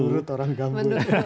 menurut orang gambut